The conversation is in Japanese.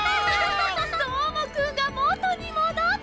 どーもくんがもとにもどった！